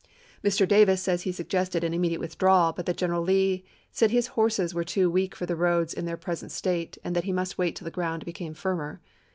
Mr. Davis says he suggested an im mediate withdrawal, but that General Lee said his horses were too weak for the roads in their present state, and that he must wait till the ground became firmer.